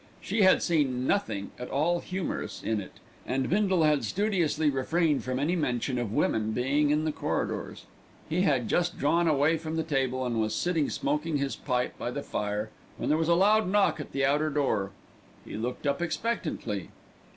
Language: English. She had seen nothing at all humorous in it, and Bindle had studiously refrained from any mention of women being in the corridors. He had just drawn away from the table, and was sitting smoking his pipe by the fire, when there was a loud knock at the outer door. He looked up expectantly.